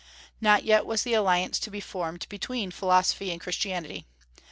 Not yet was the alliance to be formed between Philosophy and Christianity.